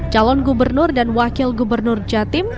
calon gubernur dan wakil gubernur jatim